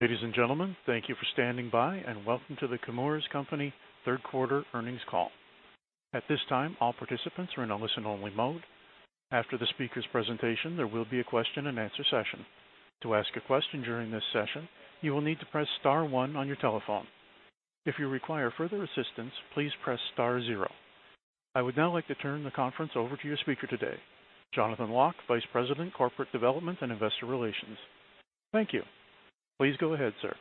Ladies and gentlemen, thank you for standing by. Welcome to The Chemours Company third quarter earnings call. At this time, all participants are in a listen-only mode. After the speaker's presentation, there will be a question and answer session. To ask a question during this session, you will need to press star one on your telephone. If you require further assistance, please press star zero. I would now like to turn the conference over to your speaker today, Jonathan Lock, Vice President, Corporate Development and Investor Relations. Thank you. Please go ahead, sir.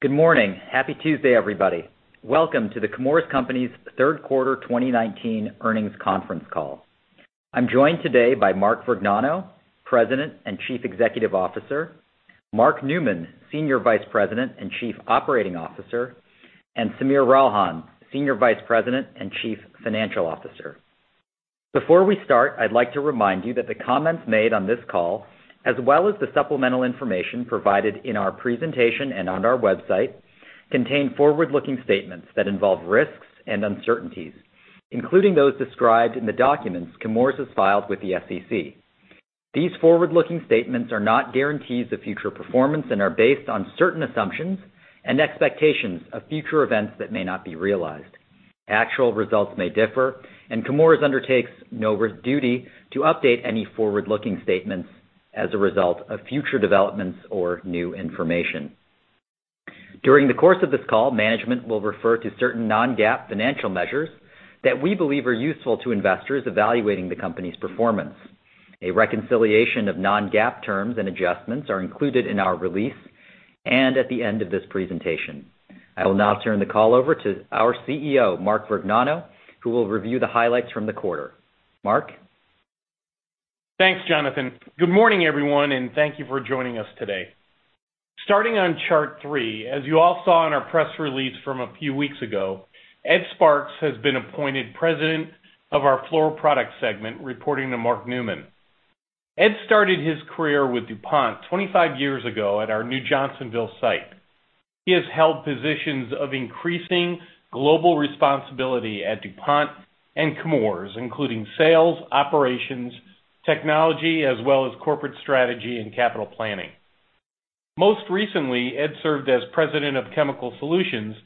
Good morning. Happy Tuesday, everybody. Welcome to The Chemours Company's third quarter 2019 earnings conference call. I'm joined today by Mark Vergnano, President and Chief Executive Officer, Mark Newman, Senior Vice President and Chief Operating Officer, and Sameer Ralhan, Senior Vice President and Chief Financial Officer. Before we start, I'd like to remind you that the comments made on this call, as well as the supplemental information provided in our presentation and on our website, contain forward-looking statements that involve risks and uncertainties, including those described in the documents Chemours has filed with the SEC. These forward-looking statements are not guarantees of future performance and are based on certain assumptions and expectations of future events that may not be realized. Actual results may differ. Chemours undertakes no duty to update any forward-looking statements as a result of future developments or new information. During the course of this call, management will refer to certain non-GAAP financial measures that we believe are useful to investors evaluating the company's performance. A reconciliation of non-GAAP terms and adjustments are included in our release and at the end of this presentation. I will now turn the call over to our CEO, Mark Vergnano, who will review the highlights from the quarter. Mark? Thanks, Jonathan. Good morning, everyone, and thank you for joining us today. Starting on chart three, as you all saw in our press release from a few weeks ago, Ed Sparks has been appointed President of our Fluoroproducts segment, reporting to Mark Newman. Ed started his career with DuPont 25 years ago at our New Johnsonville site. He has held positions of increasing global responsibility at DuPont and Chemours, including sales, operations, technology, as well as corporate strategy and capital planning. Most recently, Ed served as President of Chemical Solutions,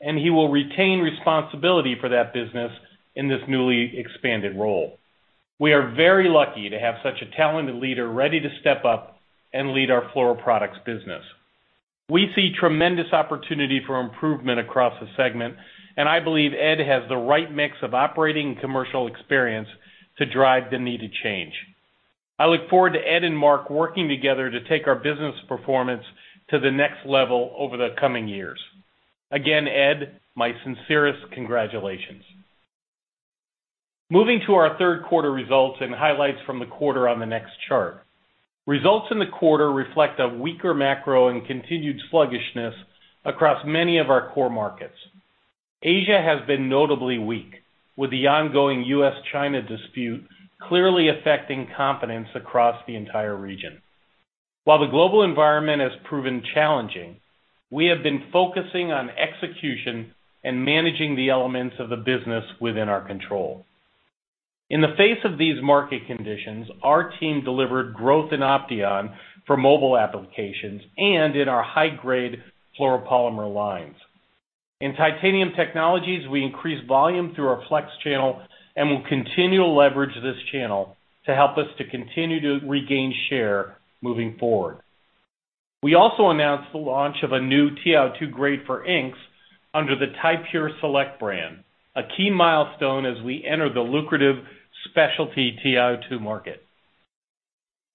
and he will retain responsibility for that business in this newly expanded role. We are very lucky to have such a talented leader ready to step up and lead our Fluoroproducts business. We see tremendous opportunity for improvement across the segment, and I believe Ed has the right mix of operating commercial experience to drive the needed change. I look forward to Ed and Mark working together to take our business performance to the next level over the coming years. Again, Ed, my sincerest congratulations. Moving to our third quarter results and highlights from the quarter on the next chart. Results in the quarter reflect a weaker macro and continued sluggishness across many of our core markets. Asia has been notably weak, with the ongoing U.S.-China dispute clearly affecting confidence across the entire region. While the global environment has proven challenging, we have been focusing on execution and managing the elements of the business within our control. In the face of these market conditions, our team delivered growth in Opteon for mobile applications and in our high-grade fluoropolymer lines. In Titanium Technologies, we increased volume through our flex channel and will continue to leverage this channel to help us to continue to regain share moving forward. We also announced the launch of a new TiO2 grade for inks under the Ti-Pure Select brand, a key milestone as we enter the lucrative specialty TiO2 market.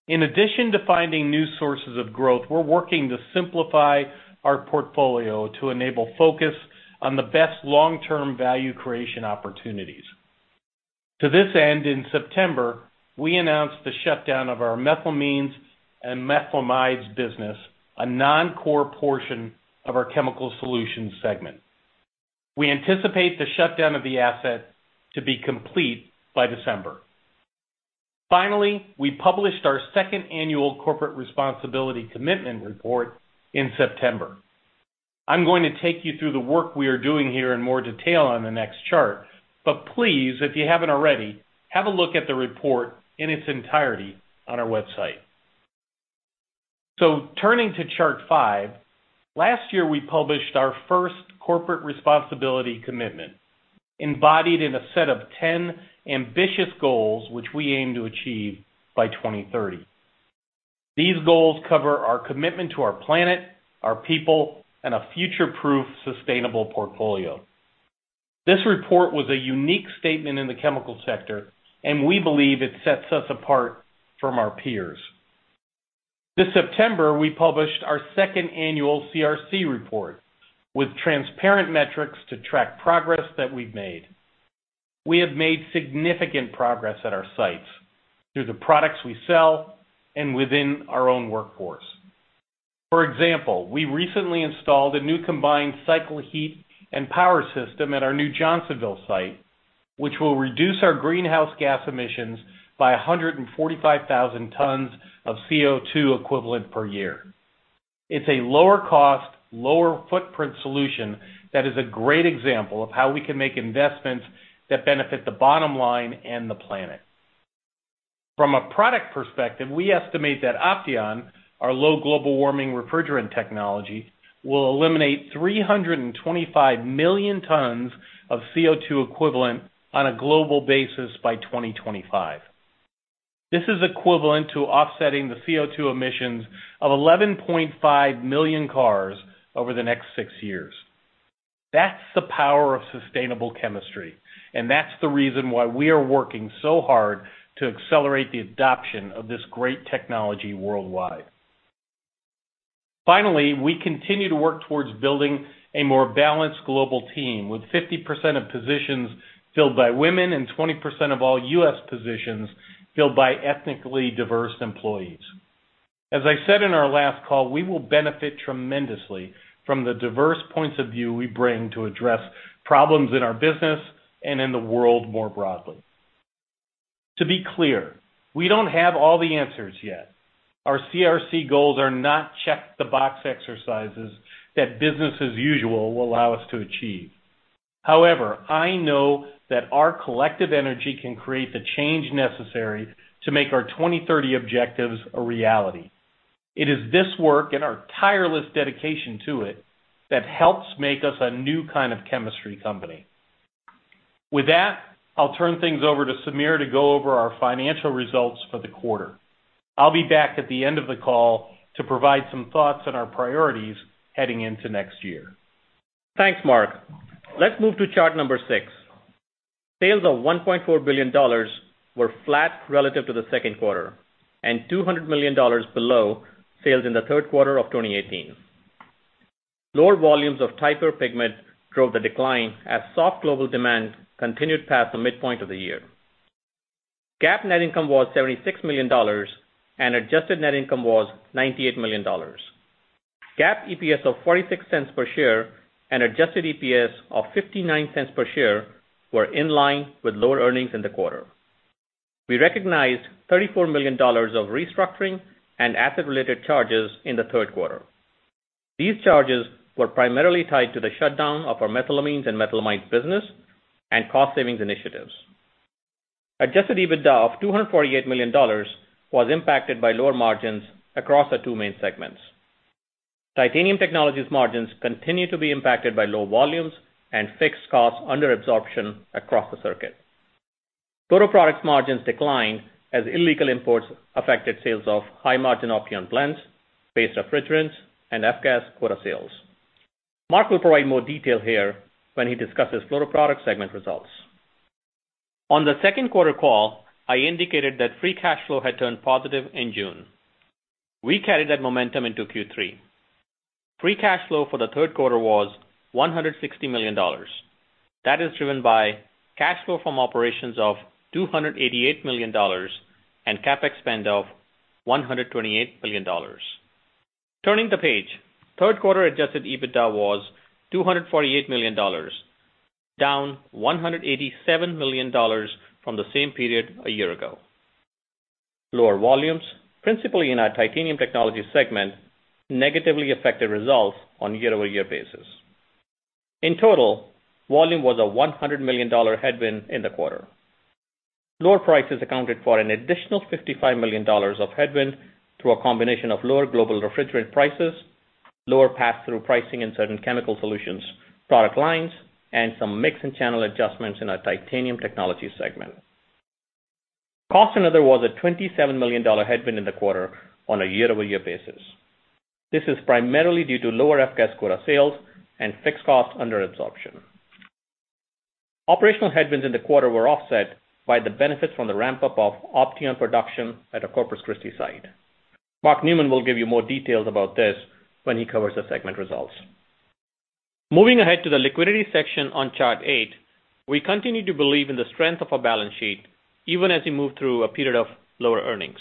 In addition to finding new sources of growth, we're working to simplify our portfolio to enable focus on the best long-term value creation opportunities. To this end, in September, we announced the shutdown of our methylamines and methylamides business, a non-core portion of our Chemical Solutions segment. We anticipate the shutdown of the asset to be complete by December. Finally, we published our second annual Corporate Responsibility Commitment Report in September. I'm going to take you through the work we are doing here in more detail on the next chart. Please, if you haven't already, have a look at the report in its entirety on our website. Turning to chart five, last year, we published our first Corporate Responsibility Commitment, embodied in a set of 10 ambitious goals, which we aim to achieve by 2030. These goals cover our commitment to our planet, our people, and a future-proof sustainable portfolio. This report was a unique statement in the chemical sector, and we believe it sets us apart from our peers. This September, we published our second annual CRC report with transparent metrics to track progress that we've made. We have made significant progress at our sites through the products we sell and within our own workforce. For example, we recently installed a new combined cycle heat and power system at our New Johnsonville site, which will reduce our greenhouse gas emissions by 145,000 tons of CO2 equivalent per year. It's a lower cost, lower footprint solution that is a great example of how we can make investments that benefit the bottom line and the planet. From a product perspective, we estimate that Opteon, our low global warming refrigerant technology, will eliminate 325 million tons of CO2 equivalent on a global basis by 2025. This is equivalent to offsetting the CO2 emissions of 11.5 million cars over the next six years. That's the power of sustainable chemistry, that's the reason why we are working so hard to accelerate the adoption of this great technology worldwide. Finally, we continue to work towards building a more balanced global team, with 50% of positions filled by women and 20% of all U.S. positions filled by ethnically diverse employees. As I said in our last call, we will benefit tremendously from the diverse points of view we bring to address problems in our business and in the world more broadly. To be clear, we don't have all the answers yet. Our CRC goals are not check-the-box exercises that business as usual will allow us to achieve. I know that our collective energy can create the change necessary to make our 2030 objectives a reality. It is this work, and our tireless dedication to it, that helps make us a new kind of chemistry company. I'll turn things over to Sameer to go over our financial results for the quarter. I'll be back at the end of the call to provide some thoughts on our priorities heading into next year. Thanks, Mark. Let's move to chart number six. Sales of $1.4 billion were flat relative to the second quarter, and $200 million below sales in the third quarter of 2018. Lower volumes of titania pigment drove the decline as soft global demand continued past the midpoint of the year. GAAP net income was $76 million, and adjusted net income was $98 million. GAAP EPS of $0.46 per share and adjusted EPS of $0.59 per share were in line with lower earnings in the quarter. We recognized $34 million of restructuring and asset-related charges in the third quarter. These charges were primarily tied to the shutdown of our methylamines and methylamides business and cost savings initiatives. Adjusted EBITDA of $248 million was impacted by lower margins across our two main segments. Titanium Technologies margins continue to be impacted by low volumes and fixed costs under absorption across the circuit. Fluoroproducts margins declined as illegal imports affected sales of high-margin Opteon blends, based refrigerants, and F-gas quota sales. Mark will provide more detail here when he discusses Fluoroproducts segment results. On the second quarter call, I indicated that free cash flow had turned positive in June. We carried that momentum into Q3. Free cash flow for the third quarter was $160 million. That is driven by cash flow from operations of $288 million and CapEx spend of $128 million. Turning the page, third quarter adjusted EBITDA was $248 million, down $187 million from the same period a year ago. Lower volumes, principally in our Titanium Technologies segment, negatively affected results on a year-over-year basis. In total, volume was a $100 million headwind in the quarter. Lower prices accounted for an additional $55 million of headwind through a combination of lower global refrigerant prices, lower pass-through pricing in certain Chemical Solutions product lines, and some mix and channel adjustments in our Titanium Technologies segment. Cost in there was a $27 million headwind in the quarter on a year-over-year basis. This is primarily due to lower F-gas quota sales and fixed costs under absorption. Operational headwinds in the quarter were offset by the benefit from the ramp-up of Opteon production at our Corpus Christi site. Mark Newman will give you more details about this when he covers the segment results. Moving ahead to the liquidity section on chart eight, we continue to believe in the strength of our balance sheet, even as we move through a period of lower earnings.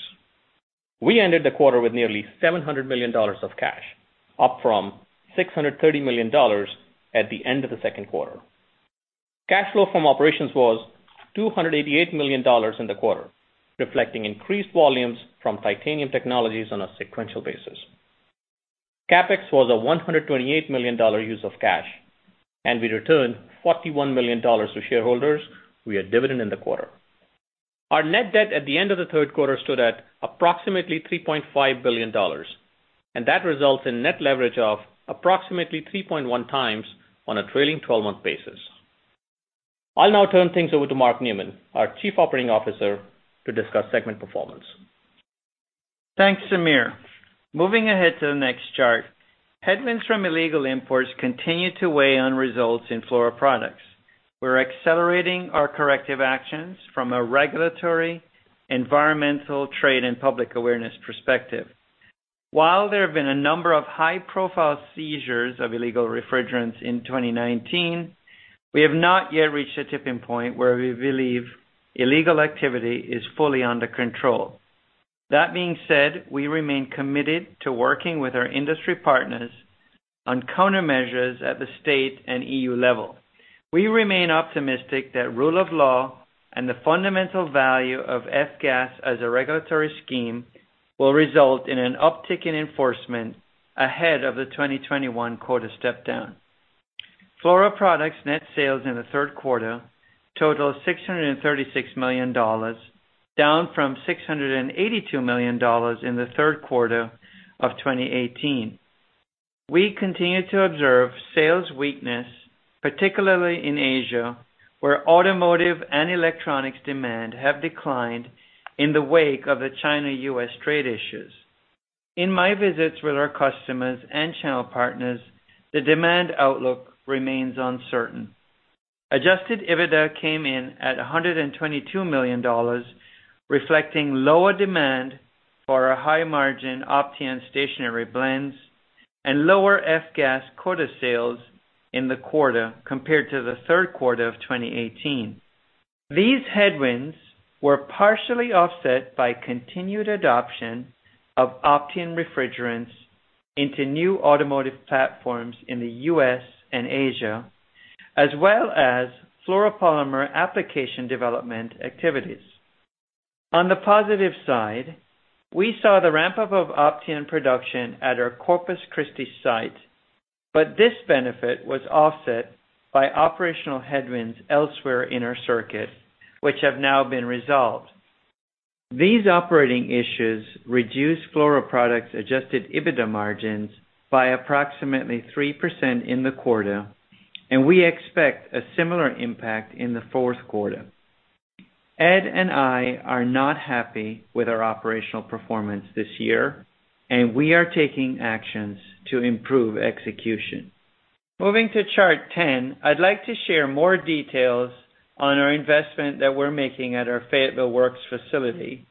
We ended the quarter with nearly $700 million of cash, up from $630 million at the end of the second quarter. Cash flow from operations was $288 million in the quarter, reflecting increased volumes from Titanium Technologies on a sequential basis. CapEx was a $128 million use of cash, and we returned $41 million to shareholders via dividend in the quarter. Our net debt at the end of the third quarter stood at approximately $3.5 billion, and that results in net leverage of approximately 3.1 times on a trailing 12-month basis. I'll now turn things over to Mark Newman, our Chief Operating Officer, to discuss segment performance. Thanks, Sameer. Moving ahead to the next chart, headwinds from illegal imports continue to weigh on results in Fluoroproducts. We're accelerating our corrective actions from a regulatory, environmental, trade, and public awareness perspective. While there have been a number of high-profile seizures of illegal refrigerants in 2019, we have not yet reached a tipping point where we believe illegal activity is fully under control. That being said, we remain committed to working with our industry partners on countermeasures at the state and EU level. We remain optimistic that rule of law and the fundamental value of F-gas as a regulatory scheme will result in an uptick in enforcement ahead of the 2021 quota step-down. Fluoroproducts net sales in the third quarter totaled $636 million, down from $682 million in the third quarter of 2018. We continue to observe sales weakness, particularly in Asia, where automotive and electronics demand have declined in the wake of the China-U.S. trade issues. In my visits with our customers and channel partners, the demand outlook remains uncertain. Adjusted EBITDA came in at $122 million, reflecting lower demand for our high-margin Opteon stationary blends, and lower F-gas quota sales in the quarter compared to the third quarter of 2018. These headwinds were partially offset by continued adoption of Opteon refrigerants into new automotive platforms in the U.S. and Asia, as well as fluoropolymer application development activities. On the positive side, we saw the ramp-up of Opteon production at our Corpus Christi site, but this benefit was offset by operational headwinds elsewhere in our circuit, which have now been resolved. These operating issues reduced Fluoroproducts adjusted EBITDA margins by approximately 3% in the quarter, and we expect a similar impact in the fourth quarter. Ed and I are not happy with our operational performance this year, and we are taking actions to improve execution. Moving to Chart 10, I'd like to share more details on our investment that we're making at our Fayetteville Works facility,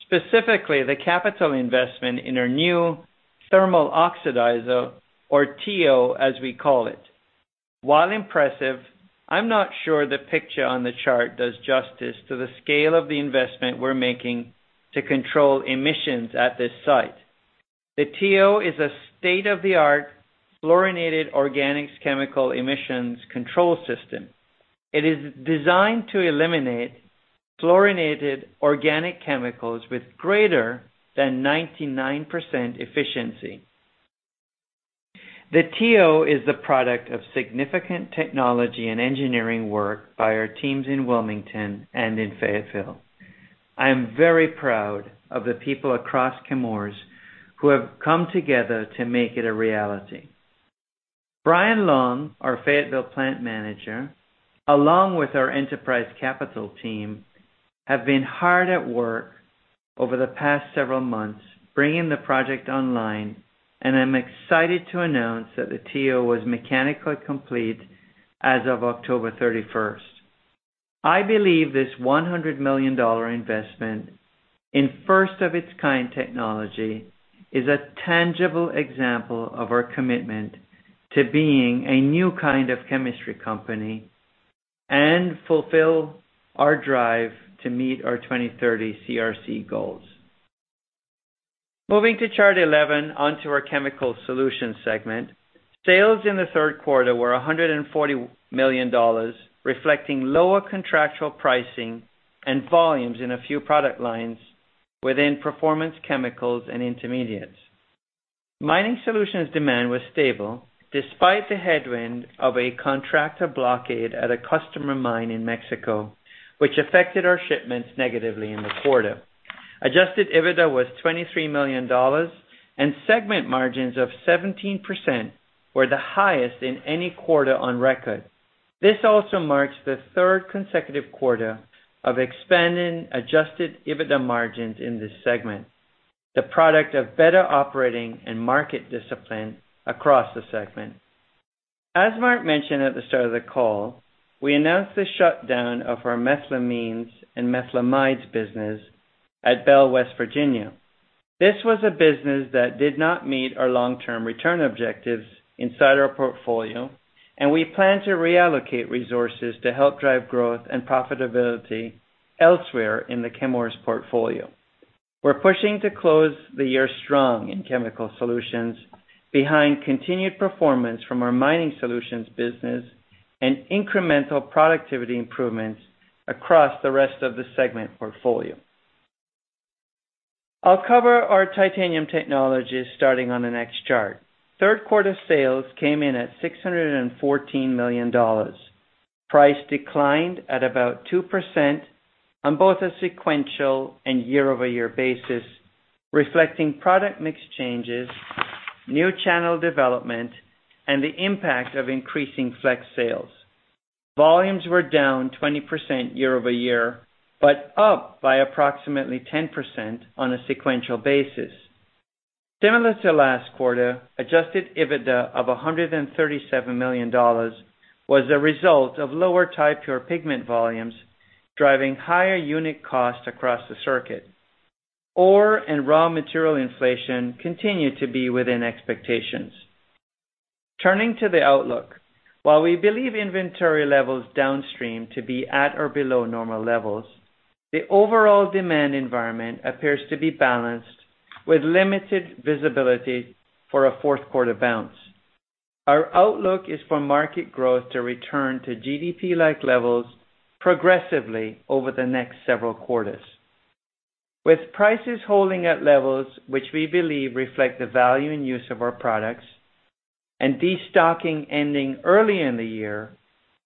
specifically the capital investment in our new Thermal Oxidizer, or TO, as we call it. While impressive, I'm not sure the picture on the chart does justice to the scale of the investment we're making to control emissions at this site. The TO is a state-of-the-art fluorinated organics chemical emissions control system. It is designed to eliminate fluorinated organic chemicals with greater than 99% efficiency. The TO is the product of significant technology and engineering work by our teams in Wilmington and in Fayetteville. I am very proud of the people across Chemours who have come together to make it a reality. Brian Long, our Fayetteville Plant Manager, along with our enterprise capital team, have been hard at work over the past several months, bringing the project online, and I'm excited to announce that the TO was mechanically complete as of October 31st. I believe this $100 million investment in first-of-its-kind technology is a tangible example of our commitment to being a new kind of chemistry company, and fulfill our drive to meet our 2030 CRC goals. Moving to Chart 11, onto our Chemical Solutions segment. Sales in the third quarter were $140 million, reflecting lower contractual pricing and volumes in a few product lines within performance chemicals and intermediates. Mining Solutions demand was stable despite the headwind of a contractor blockade at a customer mine in Mexico, which affected our shipments negatively in the quarter. Adjusted EBITDA was $23 million, and segment margins of 17% were the highest in any quarter on record. This also marks the third consecutive quarter of expanding adjusted EBITDA margins in this segment, the product of better operating and market discipline across the segment. As Mark mentioned at the start of the call, we announced the shutdown of our methylamines and methylamides business at Belle, West Virginia. This was a business that did not meet our long-term return objectives inside our portfolio, and we plan to reallocate resources to help drive growth and profitability elsewhere in the Chemours portfolio. We're pushing to close the year strong in Chemical Solutions behind continued performance from our Mining Solutions business and incremental productivity improvements across the rest of the segment portfolio. I'll cover our Titanium Technologies starting on the next chart. Third quarter sales came in at $614 million. Price declined at about 2% on both a sequential and year-over-year basis, reflecting product mix changes, new channel development, and the impact of increasing Flex sales. Volumes were down 20% year-over-year, but up by approximately 10% on a sequential basis. Similar to last quarter, adjusted EBITDA of $137 million was a result of lower Ti-Pure pigment volumes, driving higher unit costs across the circuit. Ore and raw material inflation continued to be within expectations. Turning to the outlook. While we believe inventory levels downstream to be at or below normal levels, the overall demand environment appears to be balanced with limited visibility for a fourth quarter bounce. Our outlook is for market growth to return to GDP-like levels progressively over the next several quarters. With prices holding at levels which we believe reflect the value and use of our products, and destocking ending early in the year,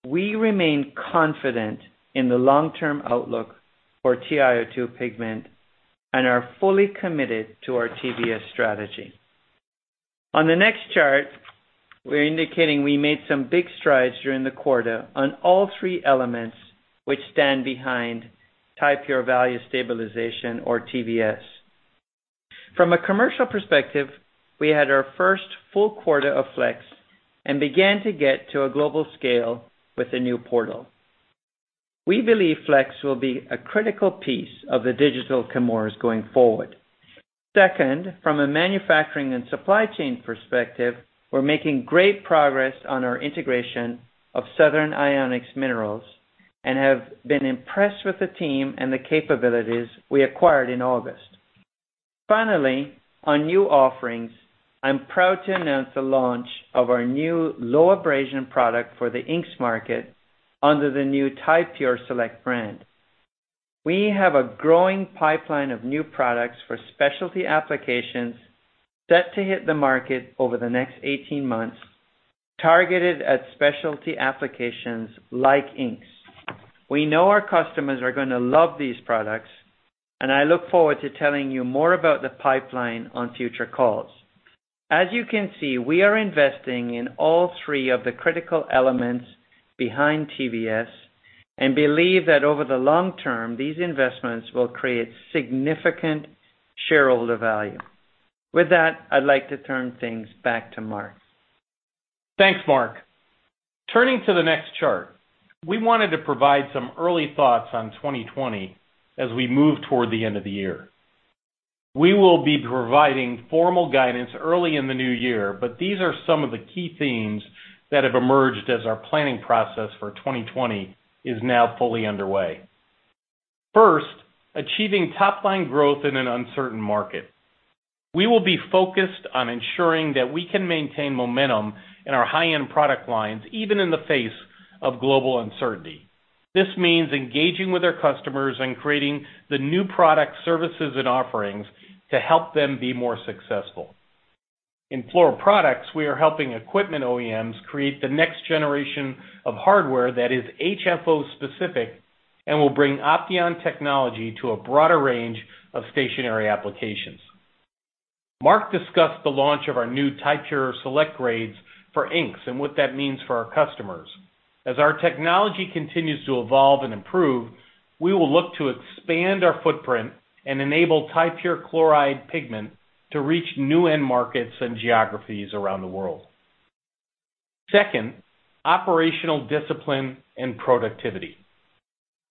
we remain confident in the long-term outlook for TiO2 pigment and are fully committed to our TVS strategy. On the next chart, we're indicating we made some big strides during the quarter on all three elements which stand behind Ti-Pure Value Stabilization, or TVS. From a commercial perspective, we had our first full quarter of Ti-Pure Flex and began to get to a global scale with the new portal. We believe Ti-Pure Flex will be a critical piece of the digital Chemours going forward. Second, from a manufacturing and supply chain perspective, we're making great progress on our integration of Southern Ionics Minerals and have been impressed with the team and the capabilities we acquired in August. Finally, on new offerings, I'm proud to announce the launch of our new low-abrasion product for the inks market under the new Ti-Pure Select brand. We have a growing pipeline of new products for specialty applications set to hit the market over the next 18 months, targeted at specialty applications like inks. We know our customers are going to love these products, and I look forward to telling you more about the pipeline on future calls. As you can see, we are investing in all three of the critical elements behind TVS and believe that over the long term, these investments will create significant shareholder value. With that, I'd like to turn things back to Mark. Thanks, Mark. Turning to the next chart, we wanted to provide some early thoughts on 2020 as we move toward the end of the year. We will be providing formal guidance early in the new year. These are some of the key themes that have emerged as our planning process for 2020 is now fully underway. First, achieving top-line growth in an uncertain market. We will be focused on ensuring that we can maintain momentum in our high-end product lines, even in the face of global uncertainty. This means engaging with our customers and creating the new product services and offerings to help them be more successful. In Fluoroproducts, we are helping equipment OEMs create the next generation of hardware that is HFO-specific and will bring Opteon technology to a broader range of stationary applications. Mark discussed the launch of our new Ti-Pure Select grades for inks and what that means for our customers. As our technology continues to evolve and improve, we will look to expand our footprint and enable Ti-Pure chloride pigment to reach new end markets and geographies around the world. Second, operational discipline and productivity.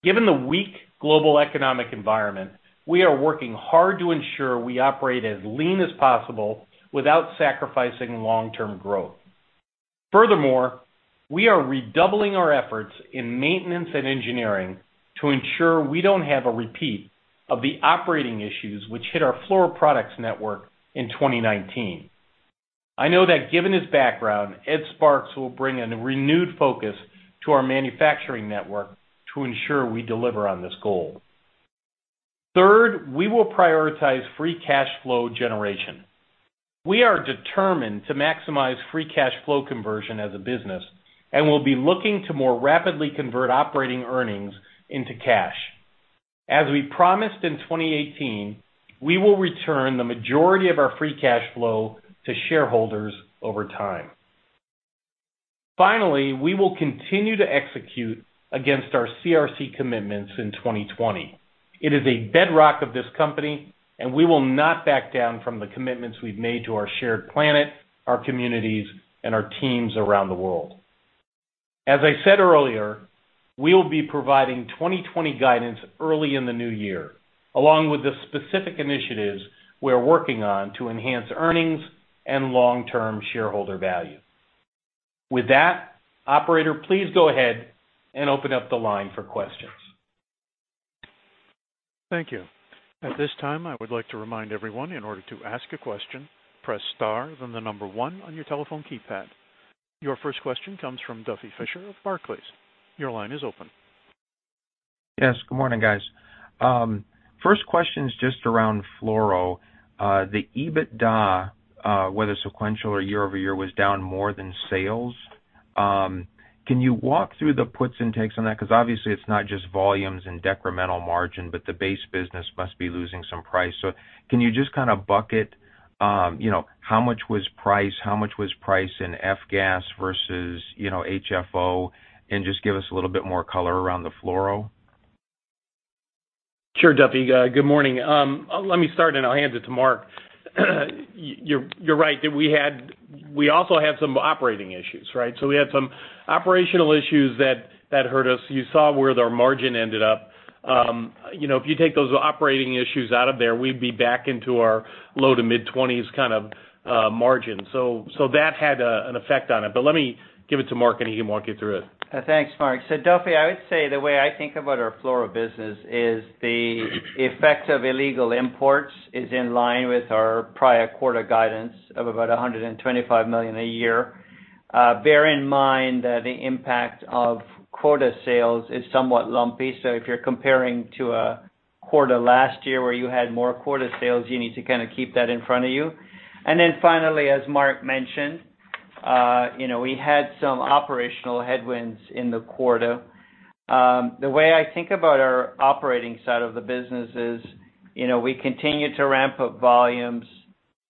Given the weak global economic environment, we are working hard to ensure we operate as lean as possible without sacrificing long-term growth. We are redoubling our efforts in maintenance and engineering to ensure we don't have a repeat of the operating issues which hit our Fluoroproducts network in 2019. I know that given his background, Ed Sparks will bring a renewed focus to our manufacturing network to ensure we deliver on this goal. Third, we will prioritize free cash flow generation. We are determined to maximize free cash flow conversion as a business and will be looking to more rapidly convert operating earnings into cash. As we promised in 2018, we will return the majority of our free cash flow to shareholders over time. Finally, we will continue to execute against our CRC commitments in 2020. It is a bedrock of this company, and we will not back down from the commitments we've made to our shared planet, our communities, and our teams around the world. As I said earlier, we will be providing 2020 guidance early in the new year, along with the specific initiatives we are working on to enhance earnings and long-term shareholder value. With that, operator, please go ahead and open up the line for questions. Thank you. At this time, I would like to remind everyone, in order to ask a question, press star, then the number 1 on your telephone keypad. Your first question comes from Duffy Fischer of Barclays. Your line is open. Yes. Good morning, guys. First question is just around Fluoro. The EBITDA, whether sequential or year-over-year, was down more than sales. Can you walk through the puts and takes on that? Obviously, it's not just volumes and decremental margin, but the base business must be losing some price. Can you just kind of bucket how much was price, how much was price in F-gas versus HFO, and just give us a little bit more color around the Fluoro? Sure, Duffy. Good morning. Let me start, and I'll hand it to Mark. You're right. We also had some operating issues, right? We had some operational issues that hurt us. You saw where their margin ended up. If you take those operating issues out of there, we'd be back into our low to mid-20s kind of margin. That had an effect on it. Let me give it to Mark, and he can walk you through it. Thanks, Mark. Duffy Fischer, I would say the way I think about our Fluoroproducts business is the effect of illegal imports is in line with our prior quarter guidance of about $125 million a year. Bear in mind that the impact of quota sales is somewhat lumpy. If you're comparing to a quarter last year where you had more quota sales, you need to keep that in front of you. Then finally, as Mark mentioned, we had some operational headwinds in the quarter. The way I think about our operating side of the business is, we continue to ramp up volumes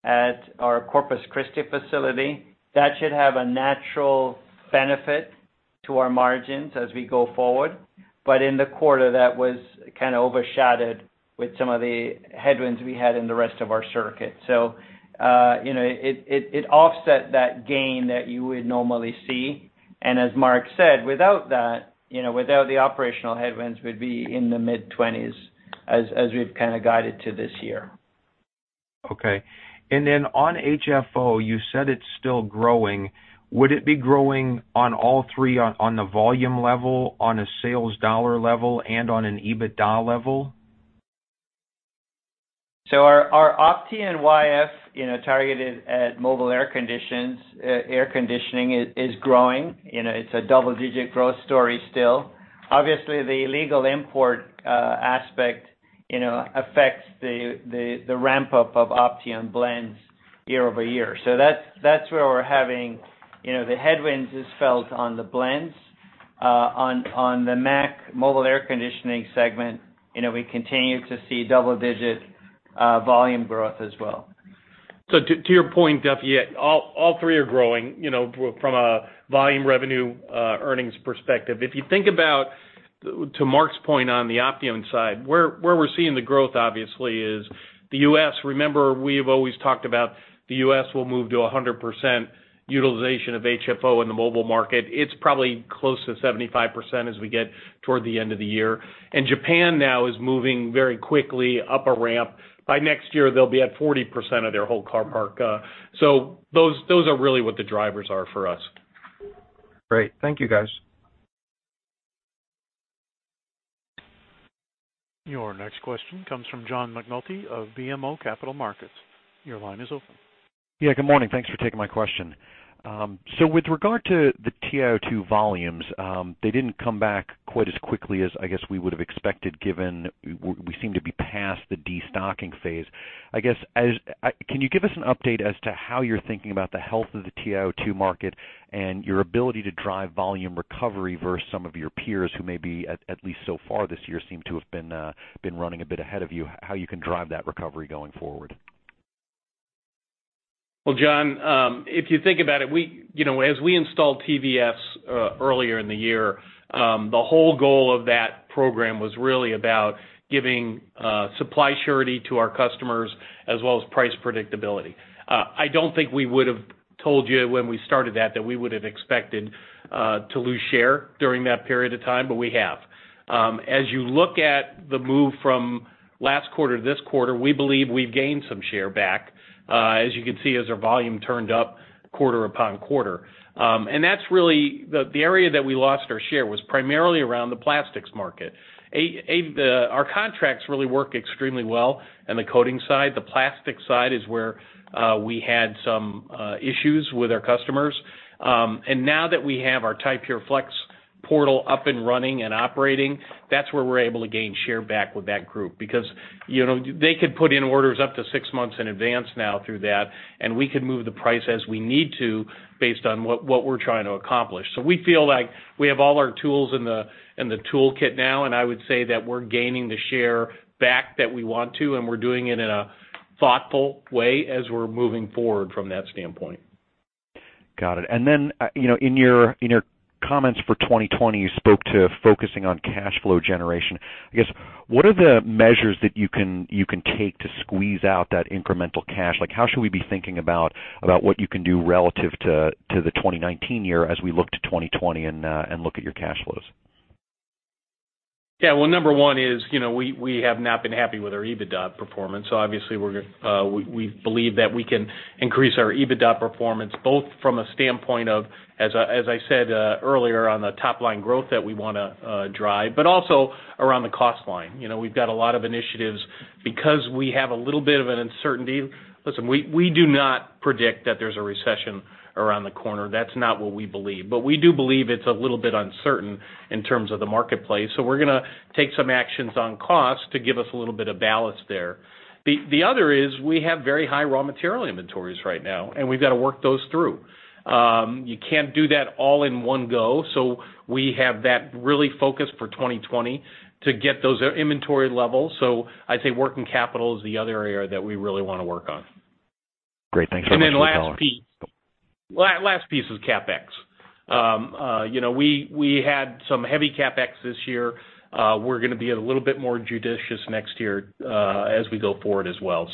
at our Corpus Christi facility. That should have a natural benefit to our margins as we go forward. In the quarter, that was kind of overshadowed with some of the headwinds we had in the rest of our circuit. It offset that gain that you would normally see. As Mark said, without that, without the operational headwinds, we'd be in the mid-20s as we've kind of guided to this year. Okay. On HFO, you said it's still growing. Would it be growing on all three on the volume level, on a sales dollar level, and on an EBITDA level? Our Opteon YF targeted at mobile air conditioning is growing. It's a double-digit growth story still. Obviously, the legal import aspect affects the ramp-up of Opteon blends year-over-year. That's where we're having the headwinds is felt on the blends. On the MAC, mobile air conditioning segment, we continue to see double-digit volume growth as well. To your point, Duffy, all three are growing from a volume revenue earnings perspective. If you think about to Mark's point on the Opteon side, where we're seeing the growth obviously is the U.S. Remember, we have always talked about the U.S. will move to 100% utilization of HFO in the mobile market. It's probably close to 75% as we get toward the end of the year. Japan now is moving very quickly up a ramp. By next year, they'll be at 40% of their whole car park. Those are really what the drivers are for us. Great. Thank you, guys. Your next question comes from John McNulty of BMO Capital Markets. Your line is open. Yeah, good morning. Thanks for taking my question. With regard to the TiO2 volumes, they didn't come back quite as quickly as I guess we would have expected, given we seem to be past the destocking phase. I guess, can you give us an update as to how you're thinking about the health of the TiO2 market and your ability to drive volume recovery versus some of your peers who may be, at least so far this year, seem to have been running a bit ahead of you, how you can drive that recovery going forward? Well, John, if you think about it, as we installed TVS earlier in the year, the whole goal of that program was really about giving supply surety to our customers as well as price predictability. I don't think we would've told you when we started that we would've expected to lose share during that period of time, but we have. You look at the move from last quarter to this quarter, we believe we've gained some share back, as you can see, as our volume turned up quarter upon quarter. That's really the area that we lost our share was primarily around the plastics market. Our contracts really work extremely well in the coatings side. The plastic side is where we had some issues with our customers. Now that we have our Ti-Pure Flex portal up and running and operating, that's where we're able to gain share back with that group. They could put in orders up to six months in advance now through that, and we could move the price as we need to based on what we're trying to accomplish. We feel like we have all our tools in the toolkit now, and I would say that we're gaining the share back that we want to, and we're doing it in a thoughtful way as we're moving forward from that standpoint. Got it. In your comments for 2020, you spoke to focusing on cash flow generation. I guess, what are the measures that you can take to squeeze out that incremental cash? How should we be thinking about what you can do relative to the 2019 year as we look to 2020 and look at your cash flows? Yeah. Well, number one is we have not been happy with our EBITDA performance. Obviously, we believe that we can increase our EBITDA performance, both from a standpoint of, as I said earlier, on the top-line growth that we want to drive, but also around the cost line. We've got a lot of initiatives because we have a little bit of an uncertainty. Listen, we do not predict that there's a recession around the corner. That's not what we believe. We do believe it's a little bit uncertain in terms of the marketplace. We're going to take some actions on cost to give us a little bit of balance there. The other is we have very high raw material inventories right now, and we've got to work those through. You can't do that all in one go. We have that really focused for 2020 to get those inventory levels. I'd say working capital is the other area that we really want to work on. Great. Thanks so much. Last piece. Last piece is CapEx. We had some heavy CapEx this year. We're going to be a little bit more judicious next year as we go forward as well.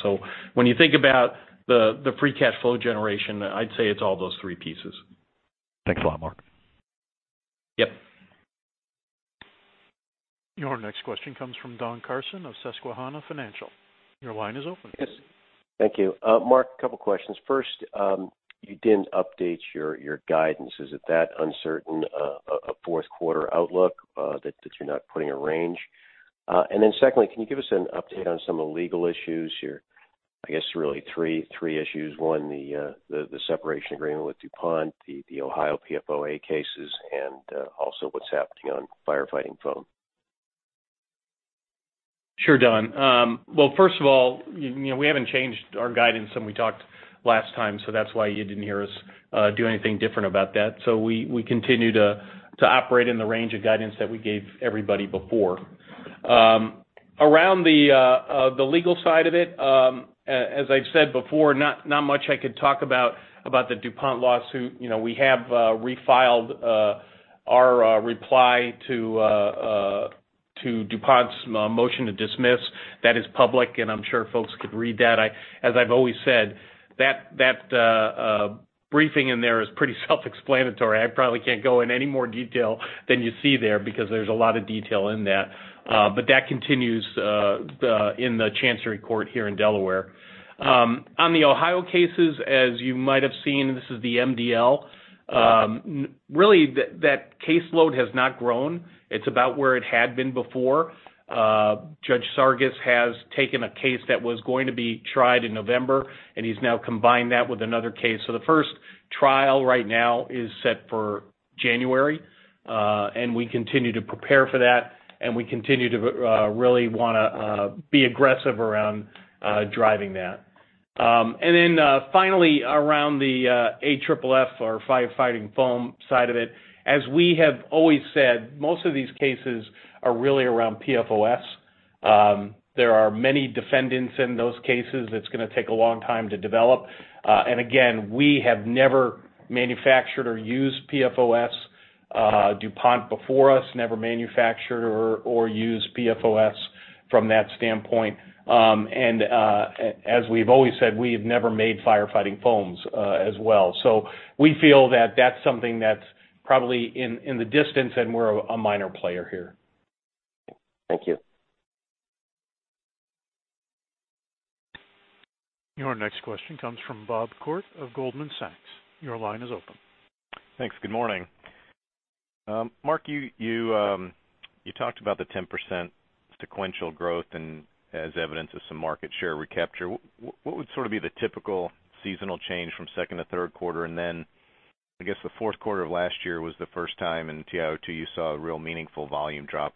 When you think about the free cash flow generation, I'd say it's all those three pieces. Thanks a lot, Mark. Yep. Your next question comes from Don Carson of Susquehanna Financial. Your line is open. Yes. Thank you. Mark, a couple of questions. First, you didn't update your guidance. Is it that uncertain a fourth quarter outlook that you're not putting a range? Secondly, can you give us an update on some of the legal issues you're? I guess really three issues. One, the separation agreement with DuPont, the Ohio PFOA cases, and also what's happening on firefighting foam. Sure, Don. Well, first of all, we haven't changed our guidance since we talked last time, that's why you didn't hear us do anything different about that. We continue to operate in the range of guidance that we gave everybody before. Around the legal side of it, as I've said before, not much I could talk about the DuPont lawsuit. We have refiled our reply to DuPont's motion to dismiss. That is public, and I'm sure folks could read that. As I've always said, that briefing in there is pretty self-explanatory. I probably can't go in any more detail than you see there because there's a lot of detail in that. That continues in the Chancery Court here in Delaware. On the Ohio cases, as you might have seen, this is the MDL. Really, that caseload has not grown. It's about where it had been before. Judge Sargus has taken a case that was going to be tried in November, and he's now combined that with another case. The first trial right now is set for January, and we continue to prepare for that, and we continue to really want to be aggressive around driving that. Finally, around the AFFF or firefighting foam side of it, as we have always said, most of these cases are really around PFOS. There are many defendants in those cases. It's going to take a long time to develop. Again, we have never manufactured or used PFOS. DuPont before us never manufactured or used PFOS from that standpoint. As we've always said, we have never made firefighting foams as well. We feel that that's something that's probably in the distance, and we're a minor player here. Thank you. Your next question comes from Bob Koort of Goldman Sachs. Your line is open. Thanks. Good morning. Mark, you talked about the 10% sequential growth as evidence of some market share recapture. What would sort of be the typical seasonal change from second to third quarter? I guess, the fourth quarter of last year was the first time in TiO2 you saw a real meaningful volume drop.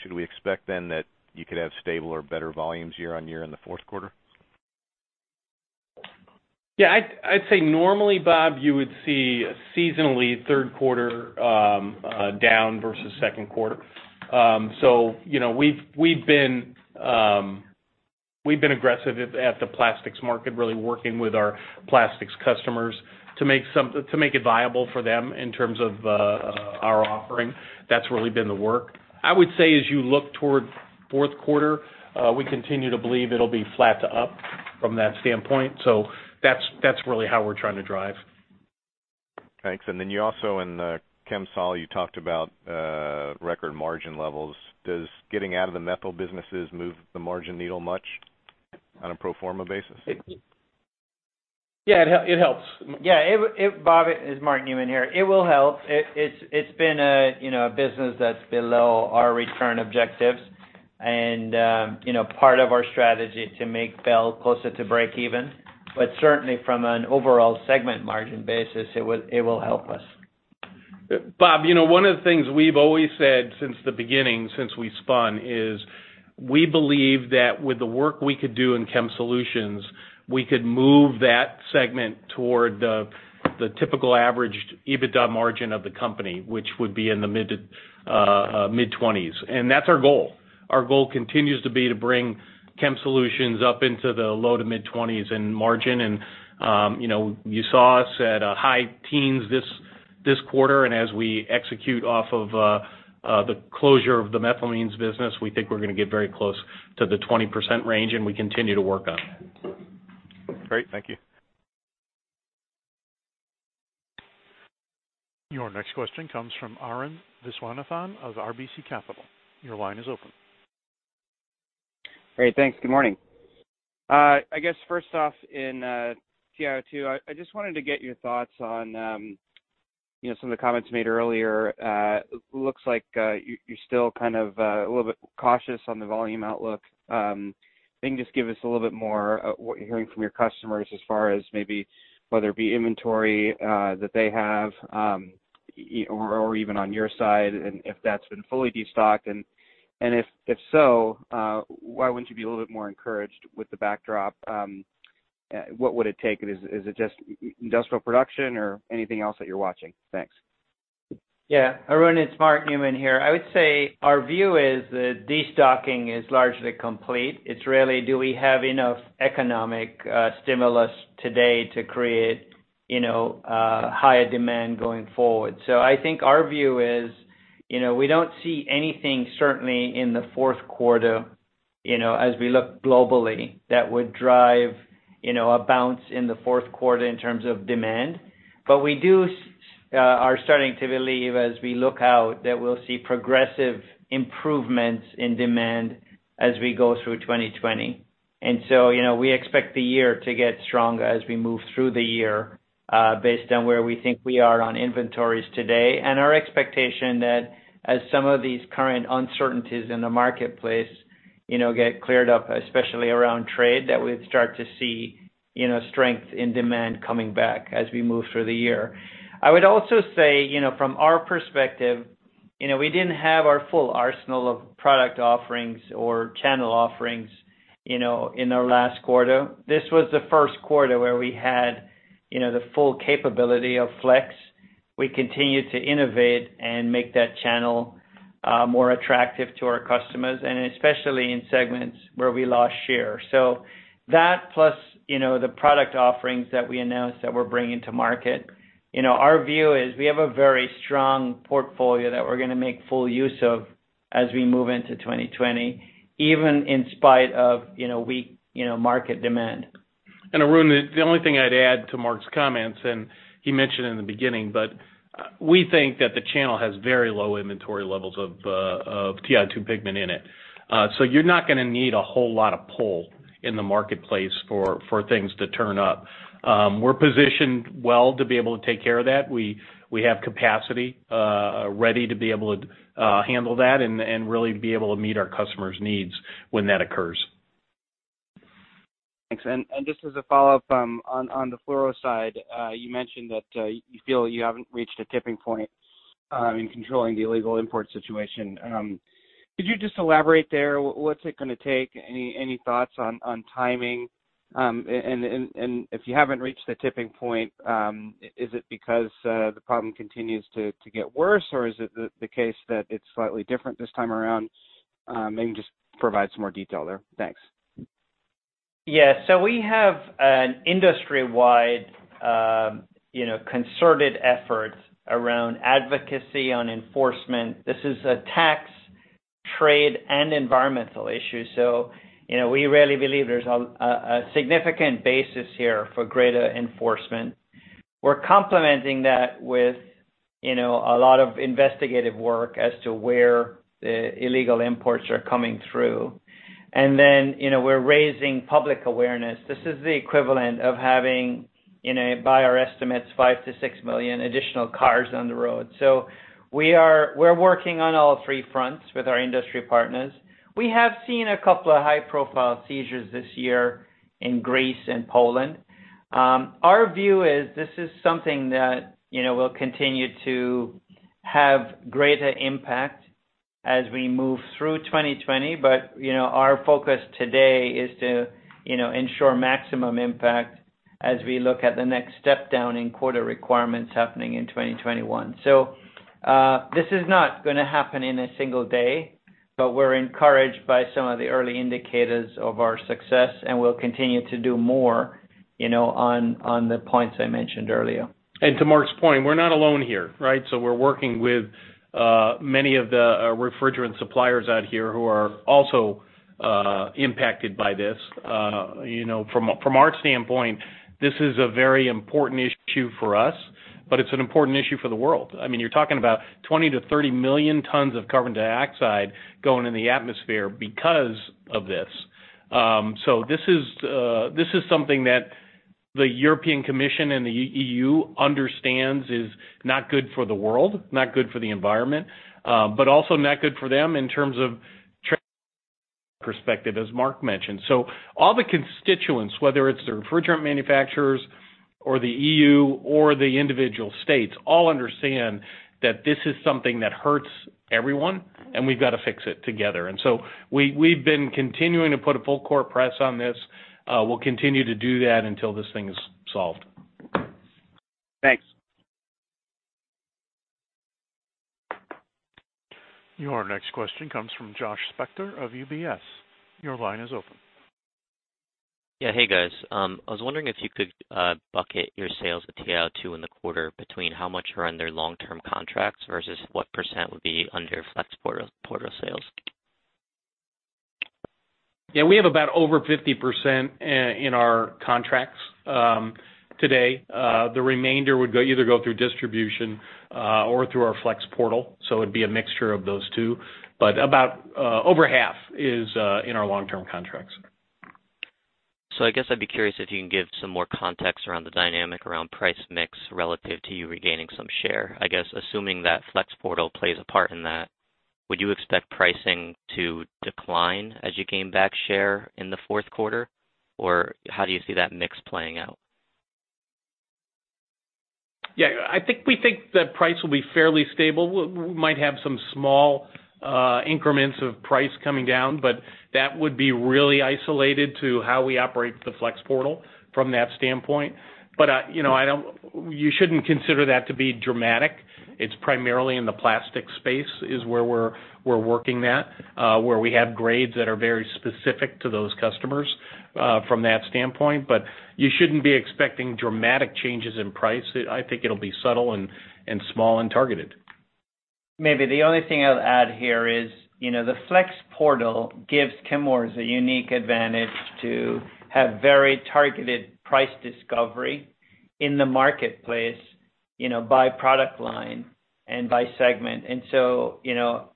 Should we expect that you could have stable or better volumes year-on-year in the fourth quarter? Yeah, I'd say normally, Bob, you would see seasonally third quarter down versus second quarter. We've been aggressive at the plastics market, really working with our plastics customers to make it viable for them in terms of our offering. That's really been the work. I would say as you look toward fourth quarter, we continue to believe it'll be flat to up from that standpoint. That's really how we're trying to drive. Thanks. You also in Chemical Solutions, you talked about record margin levels. Does getting out of the methyl businesses move the margin needle much on a pro forma basis? Yeah, it helps. Bob, it's Mark Newman here. It will help. It's been a business that's below our return objectives and part of our strategy to make Belle closer to breakeven. Certainly from an overall segment margin basis, it will help us. Bob, one of the things we've always said since the beginning, since we spun is we believe that with the work we could do in Chem Solutions, we could move that segment toward the typical average EBITDA margin of the company, which would be in the mid-20s. That's our goal. Our goal continues to be to bring Chem Solutions up into the low to mid-20s in margin. You saw us at high teens this quarter, and as we execute off of the closure of the methylamines business, we think we're going to get very close to the 20% range, and we continue to work on it. Great. Thank you. Your next question comes from Arun Viswanathan of RBC Capital. Your line is open. Great, thanks. Good morning. I guess first off in TiO2, I just wanted to get your thoughts on some of the comments made earlier. Looks like you're still kind of a little bit cautious on the volume outlook. Can you just give us a little bit more what you're hearing from your customers as far as maybe whether it be inventory that they have or even on your side, and if that's been fully destocked. If so, why wouldn't you be a little bit more encouraged with the backdrop? What would it take? Is it just industrial production or anything else that you're watching? Thanks. Yeah, Arun, it's Mark Newman here. I would say our view is that destocking is largely complete. It's really, do we have enough economic stimulus today to create higher demand going forward? I think our view is we don't see anything certainly in the fourth quarter as we look globally that would drive a bounce in the fourth quarter in terms of demand. We are starting to believe as we look out that we'll see progressive improvements in demand as we go through 2020. We expect the year to get stronger as we move through the year. Based on where we think we are on inventories today, and our expectation that as some of these current uncertainties in the marketplace get cleared up, especially around trade, that we'd start to see strength in demand coming back as we move through the year. I would also say, from our perspective, we didn't have our full arsenal of product offerings or channel offerings in our last quarter. This was the first quarter where we had the full capability of Flex. We continue to innovate and make that channel more attractive to our customers, and especially in segments where we lost share. That plus the product offerings that we announced that we're bringing to market. Our view is we have a very strong portfolio that we're going to make full use of as we move into 2020, even in spite of weak market demand. Arun, the only thing I'd add to Mark's comments, he mentioned in the beginning, we think that the channel has very low inventory levels of TiO2 pigment in it. You're not going to need a whole lot of pull in the marketplace for things to turn up. We're positioned well to be able to take care of that. We have capacity ready to be able to handle that and really be able to meet our customers' needs when that occurs. Thanks. Just as a follow-up on the fluoro side, you mentioned that you feel you haven't reached a tipping point in controlling the illegal import situation. Could you just elaborate there? What's it going to take? Any thoughts on timing? If you haven't reached the tipping point, is it because the problem continues to get worse, or is it the case that it's slightly different this time around? Maybe just provide some more detail there. Thanks. Yeah. We have an industry-wide concerted effort around advocacy on enforcement. This is a tax, trade, and environmental issue. We really believe there's a significant basis here for greater enforcement. We're complementing that with a lot of investigative work as to where the illegal imports are coming through. We're raising public awareness. This is the equivalent of having, by our estimates, 5 million-6 million additional cars on the road. We're working on all three fronts with our industry partners. We have seen a couple of high-profile seizures this year in Greece and Poland. Our view is this is something that will continue to have greater impact as we move through 2020. Our focus today is to ensure maximum impact as we look at the next step down in quota requirements happening in 2021. This is not going to happen in a single day, but we're encouraged by some of the early indicators of our success, and we'll continue to do more on the points I mentioned earlier. To Mark's point, we're not alone here, right? We're working with many of the refrigerant suppliers out here who are also impacted by this. From our standpoint, this is a very important issue for us, but it's an important issue for the world. You're talking about 20 to 30 million tons of carbon dioxide going in the atmosphere because of this. This is something that the European Commission and the EU understands is not good for the world, not good for the environment. Also not good for them in terms of perspective, as Mark mentioned. All the constituents, whether it's the refrigerant manufacturers or the EU or the individual states, all understand that this is something that hurts everyone, and we've got to fix it together. We've been continuing to put a full court press on this. We'll continue to do that until this thing is solved. Thanks. Your next question comes from Joshua Spector of UBS. Your line is open. Yeah. Hey, guys. I was wondering if you could bucket your sales of TiO2 in the quarter between how much are under long-term contracts versus what % would be under Flex Portal sales. Yeah, we have about over 50% in our contracts today. The remainder would either go through distribution or through our Flex Portal. It'd be a mixture of those two. About over half is in our long-term contracts. I guess I'd be curious if you can give some more context around the dynamic around price mix relative to you regaining some share. I guess assuming that Flex Portal plays a part in that, would you expect pricing to decline as you gain back share in the fourth quarter? How do you see that mix playing out? Yeah, I think we think that price will be fairly stable. We might have some small increments of price coming down, but that would be really isolated to how we operate the Flex Portal from that standpoint. You shouldn't consider that to be dramatic. It's primarily in the plastic space is where we're working at where we have grades that are very specific to those customers from that standpoint. You shouldn't be expecting dramatic changes in price. I think it'll be subtle and small and targeted. Maybe the only thing I'll add here is the Ti-Pure Flex portal gives Chemours a unique advantage to have very targeted price discovery in the marketplace by product line and by segment.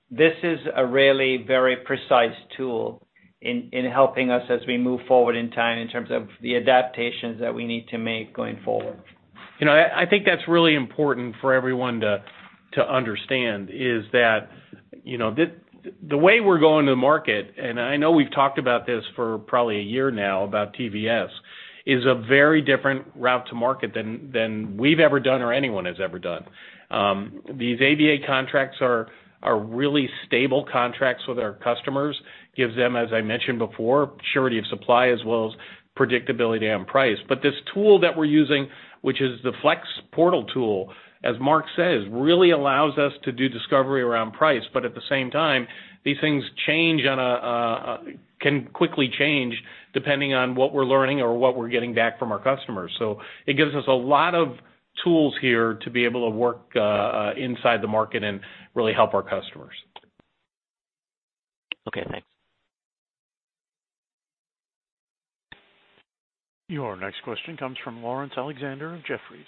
This is a really very precise tool in helping us as we move forward in time in terms of the adaptations that we need to make going forward. I think that's really important for everyone to understand, is that the way we're going to market, and I know we've talked about this for probably a year now about TVS, is a very different route to market than we've ever done or anyone has ever done. These AVA contracts are really stable contracts with our customers, gives them, as I mentioned before, surety of supply as well as predictability on price. This tool that we're using, which is the Ti-Pure Flex portal, as Mark says, really allows us to do discovery around price. At the same time, these things can quickly change depending on what we're learning or what we're getting back from our customers. It gives us a lot of tools here to be able to work inside the market and really help our customers. Okay, thanks. Your next question comes from Laurence Alexander of Jefferies.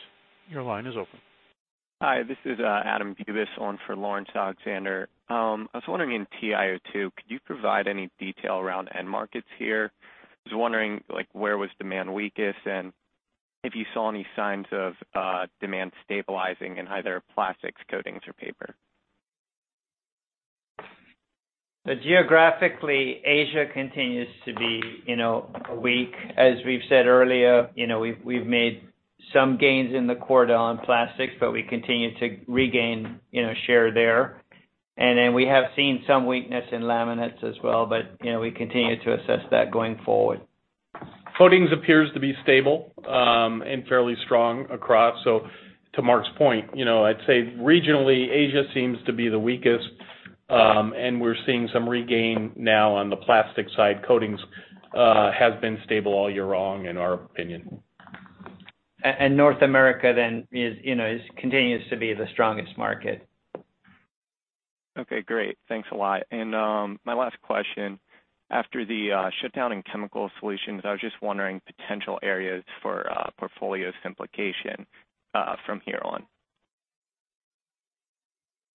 Your line is open. Hi, this is Adam Bubes on for Laurence Alexander. I was wondering, in TiO2, could you provide any detail around end markets here? I was wondering where was demand weakest and if you saw any signs of demand stabilizing in either plastics, coatings or paper. Geographically, Asia continues to be weak. As we've said earlier, we've made some gains in the quarter on plastics, but we continue to regain share there, and then we have seen some weakness in laminates as well. We continue to assess that going forward. Coatings appears to be stable and fairly strong across. To Mark's point, I'd say regionally, Asia seems to be the weakest. We're seeing some regain now on the plastic side. Coatings have been stable all year long, in our opinion. North America then continues to be the strongest market. Okay, great. Thanks a lot. My last question, after the shutdown in Chemical Solutions, I was just wondering potential areas for portfolio simplification from here on.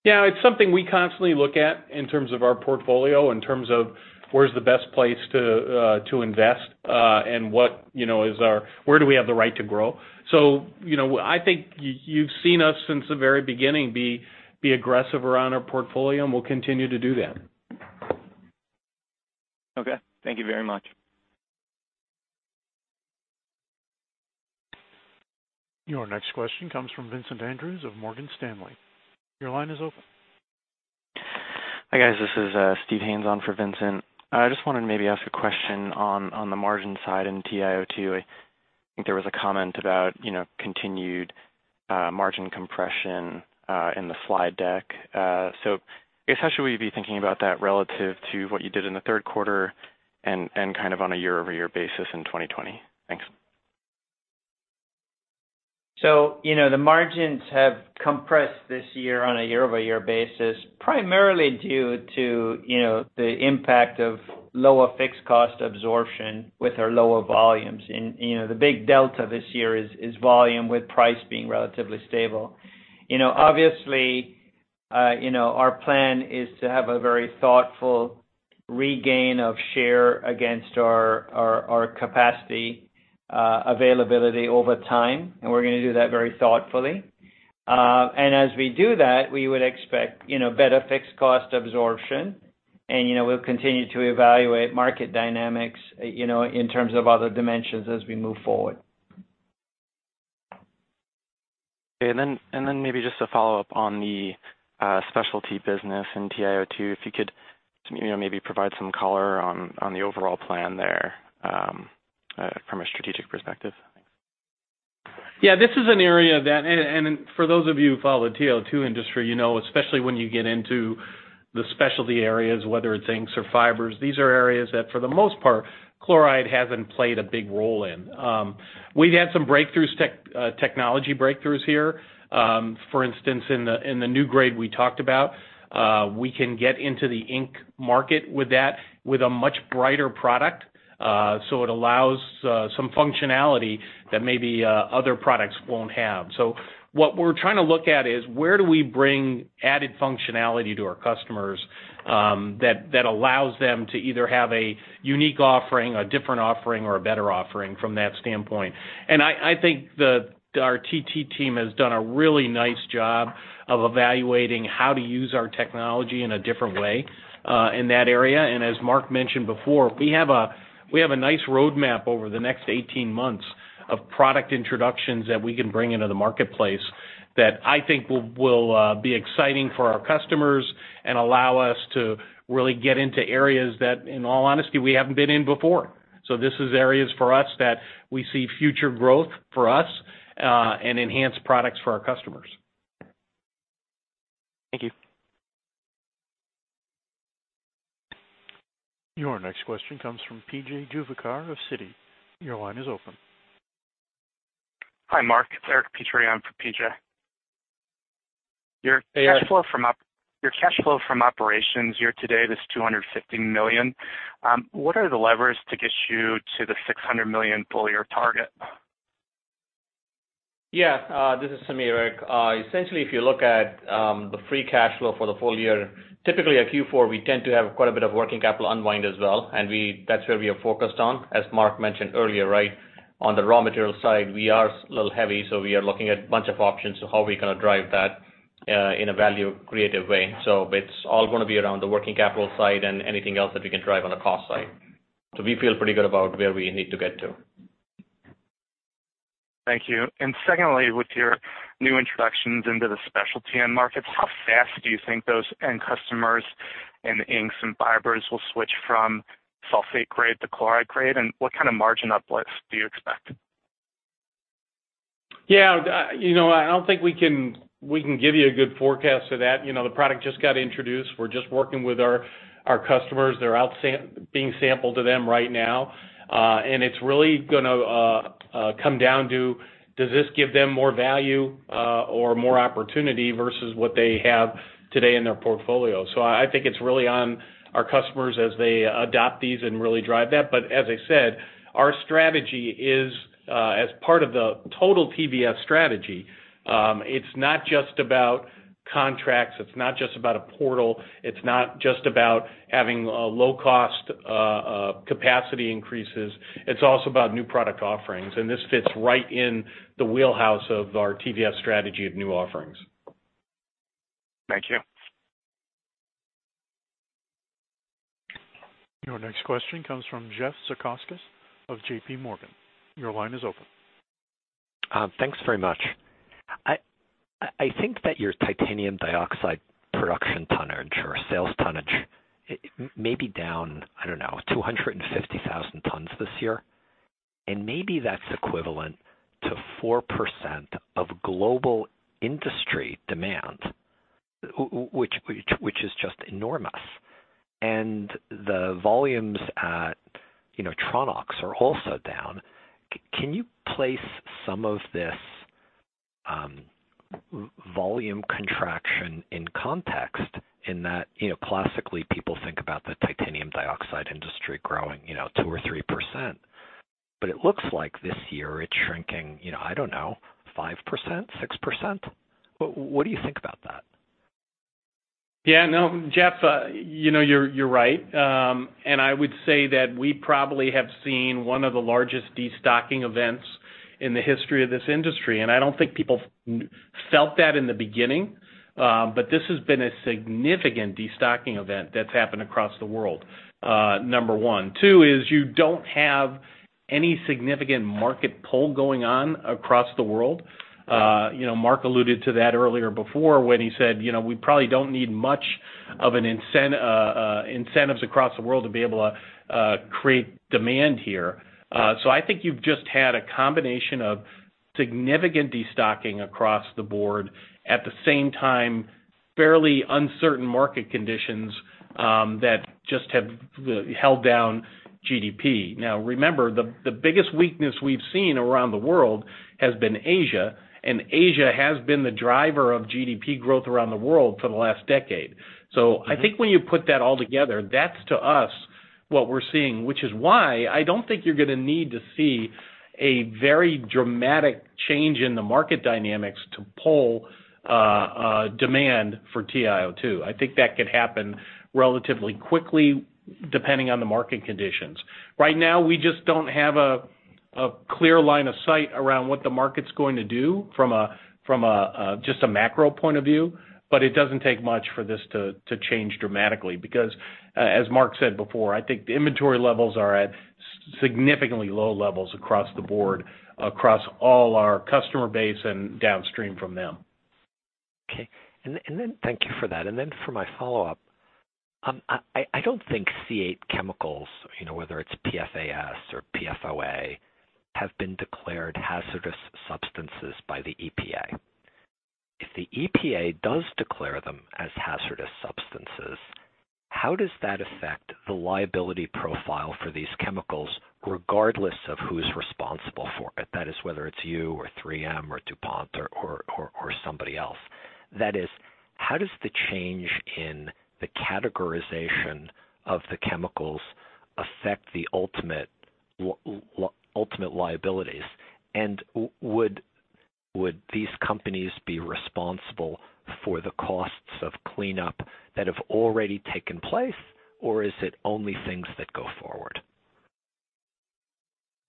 Yeah, it's something we constantly look at in terms of our portfolio, in terms of where's the best place to invest and where do we have the right to grow. I think you've seen us since the very beginning be aggressive around our portfolio, and we'll continue to do that. Okay. Thank you very much. Your next question comes from Vincent Andrews of Morgan Stanley. Your line is open. Hi, guys. This is Steven Haynes on for Vincent. I just wanted to maybe ask a question on the margin side in TiO2. I think there was a comment about continued margin compression in the slide deck. I guess how should we be thinking about that relative to what you did in the third quarter and kind of on a year-over-year basis in 2020? Thanks. The margins have compressed this year on a year-over-year basis, primarily due to the impact of lower fixed cost absorption with our lower volumes. The big delta this year is volume with price being relatively stable. Obviously, our plan is to have a very thoughtful regain of share against our capacity availability over time, and we're going to do that very thoughtfully. As we do that, we would expect better fixed cost absorption, and we'll continue to evaluate market dynamics in terms of other dimensions as we move forward. Okay. Then maybe just a follow-up on the specialty business in TiO2, if you could maybe provide some color on the overall plan there from a strategic perspective? Yeah, this is an area that, and for those of you who follow the TiO2 industry, you know especially when you get into the specialty areas, whether it's inks or fibers, these are areas that for the most part, chloride hasn't played a big role in. We've had some technology breakthroughs here. For instance, in the new grade we talked about, we can get into the ink market with that with a much brighter product. It allows some functionality that maybe other products won't have. What we're trying to look at is where do we bring added functionality to our customers that allows them to either have a unique offering, a different offering, or a better offering from that standpoint. I think our TT team has done a really nice job of evaluating how to use our technology in a different way in that area. As Mark mentioned before, we have a nice roadmap over the next 18 months of product introductions that we can bring into the marketplace that I think will be exciting for our customers and allow us to really get into areas that, in all honesty, we haven't been in before. This is areas for us that we see future growth for us and enhanced products for our customers. Thank you. Your next question comes from P.J. Juvekar of Citi. Your line is open. Hi, Mark. It's Eric Petrie on for PJ. Your cash flow from operations here today, this $250 million, what are the levers to get you to the $600 million full-year target? Yeah. This is Sameer. Essentially, if you look at the free cash flow for the full year, typically at Q4, we tend to have quite a bit of working capital unwind as well, and that's where we are focused on. As Mark mentioned earlier, on the raw material side, we are a little heavy, so we are looking at a bunch of options of how we're going to drive that in a value-creative way. It's all going to be around the working capital side and anything else that we can drive on the cost side. We feel pretty good about where we need to get to. Thank you. Secondly, with your new introductions into the specialty end markets, how fast do you think those end customers in the inks and fibers will switch from sulfate grade to chloride grade, and what kind of margin uplift do you expect? Yeah. I don't think we can give you a good forecast of that. The product just got introduced. We're just working with our customers. They're being sampled to them right now. It's really going to come down to, does this give them more value or more opportunity versus what they have today in their portfolio? I think it's really on our customers as they adopt these and really drive that. As I said, our strategy is, as part of the total TVS strategy, it's not just about contracts, it's not just about a portal, it's not just about having low-cost capacity increases. It's also about new product offerings, and this fits right in the wheelhouse of our TVS strategy of new offerings. Thank you. Your next question comes from Jeffrey Zekauskas of JPMorgan. Your line is open. Thanks very much. I think that your titanium dioxide production tonnage or sales tonnage may be down, I don't know, 250,000 tons this year. Maybe that's equivalent to 4% of global industry demand, which is just enormous. The volumes at Tronox are also down. Can you place some of this volume contraction in context in that classically people think about the titanium dioxide industry growing 2% or 3%, but it looks like this year it's shrinking, I don't know, 5%, 6%? What do you think about that? Yeah. No, Jeff, you're right. I would say that we probably have seen one of the largest destocking events in the history of this industry. I don't think people felt that in the beginning. This has been a significant destocking event that's happened across the world, number one. Two is you don't have any significant market pull going on across the world. Mark alluded to that earlier before when he said we probably don't need many incentives across the world to be able to create demand here. I think you've just had a combination of significant destocking across the board, at the same time, fairly uncertain market conditions that just have held down GDP. Now, remember, the biggest weakness we've seen around the world has been Asia, and Asia has been the driver of GDP growth around the world for the last decade. I think when you put that all together, that's to us, what we're seeing, which is why I don't think you're going to need to see a very dramatic change in the market dynamics to pull demand for TiO2. I think that could happen relatively quickly, depending on the market conditions. Right now, we just don't have a clear line of sight around what the market's going to do from just a macro point of view, but it doesn't take much for this to change dramatically because, as Mark said before, I think the inventory levels are at significantly low levels across the board, across all our customer base and downstream from them. Okay. Thank you for that. Then for my follow-up, I don't think C8 chemicals, whether it's PFAS or PFOA, have been declared hazardous substances by the EPA. If the EPA does declare them as hazardous substances, how does that affect the liability profile for these chemicals, regardless of who's responsible for it? That is, whether it's you or 3M or DuPont or somebody else. That is, how does the change in the categorization of the chemicals affect the ultimate liabilities? Would these companies be responsible for the costs of cleanup that have already taken place, or is it only things that go forward?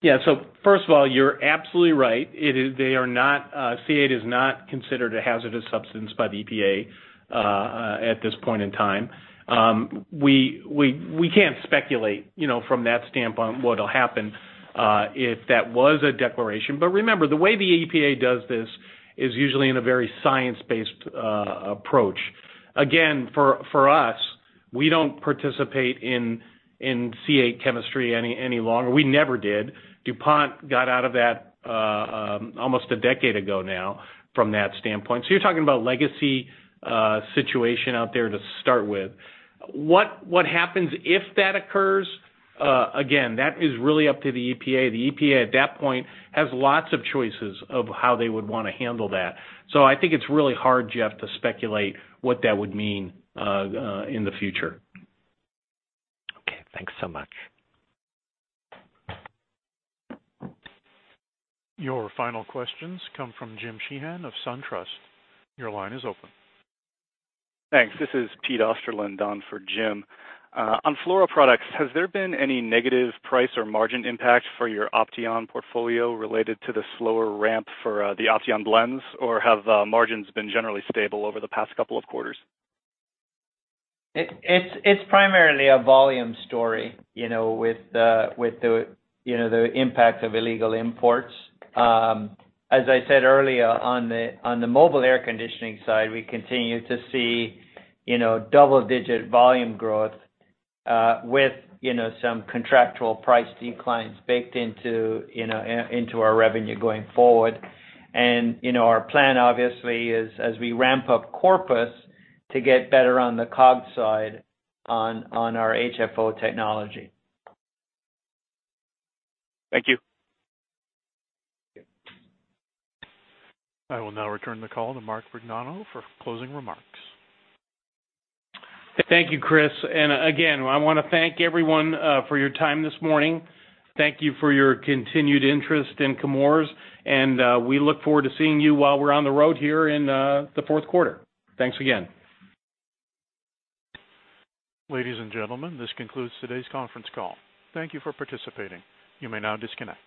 Yeah. First of all, you're absolutely right. C8 is not considered a hazardous substance by the EPA at this point in time. We can't speculate from that stamp on what'll happen if that was a declaration. Remember, the way the EPA does this is usually in a very science-based approach. Again, for us, we don't participate in C8 chemistry any longer. We never did. DuPont got out of that almost a decade ago now from that standpoint. You're talking about legacy situation out there to start with. What happens if that occurs? Again, that is really up to the EPA. The EPA at that point has lots of choices of how they would want to handle that. I think it's really hard, Jeff, to speculate what that would mean in the future. Okay. Thanks so much. Your final questions come from James Sheehan of SunTrust. Your line is open. Thanks. This is Peter Osterland on for Jim. On Fluoroproducts, has there been any negative price or margin impact for your Opteon portfolio related to the slower ramp for the Opteon blends, or have margins been generally stable over the past couple of quarters? It's primarily a volume story with the impact of illegal imports. As I said earlier, on the mobile air conditioning side, we continue to see double-digit volume growth with some contractual price declines baked into our revenue going forward. Our plan obviously is as we ramp up Corpus to get better on the COGS side on our HFO technology. Thank you. I will now return the call to Mark Vergnano for closing remarks. Thank you, Chris. Again, I want to thank everyone for your time this morning. Thank you for your continued interest in Chemours, and we look forward to seeing you while we're on the road here in the fourth quarter. Thanks again. Ladies and gentlemen, this concludes today's conference call. Thank you for participating. You may now disconnect.